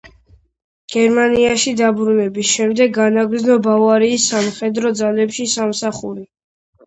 გერმანიაში დაბრუნების შემდეგ განაგრძო ბავარიის სამხედრო ძალებში სამსახური.